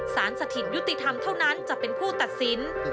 สถิตยุติธรรมเท่านั้นจะเป็นผู้ตัดสิน